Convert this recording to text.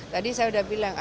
tadi saya sudah bilang